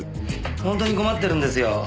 ホントに困ってるんですよ。